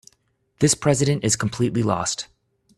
This president is completely lost.